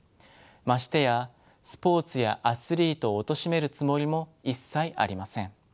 ましてやスポーツやアスリートをおとしめるつもりも一切ありません。